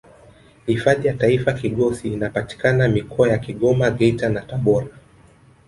hifadhi ya taifa kigosi inapatikana mikoa ya kigoma geita na tabora